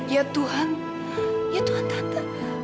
ya tuhan ya tuhan tanda